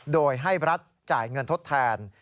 โดยให้รัฐจ่ายเงินทดแทน